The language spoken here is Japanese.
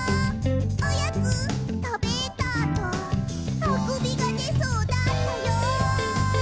「おやつ、たべたあとあくびがでそうだったよ」